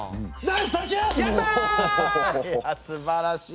いやすばらしい。